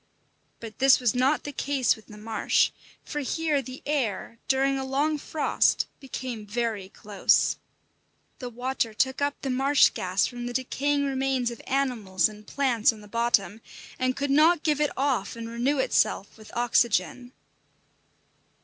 But this was not the case with the marsh, for here the "air," during a long frost, became very close. The water took up the marsh gas from the decaying remains of animals and plants on the bottom, and could not give it off and renew itself with oxygen.